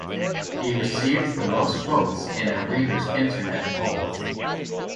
He received the most votes in a readers internet poll.